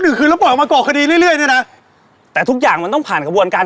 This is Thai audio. คืนแล้วปล่อยออกมาก่อคดีเรื่อยเรื่อยเนี่ยนะแต่ทุกอย่างมันต้องผ่านกระบวนการ